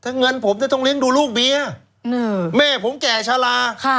เงินผมจะต้องเลี้ยงดูลูกเมียแม่ผมแก่ชะลา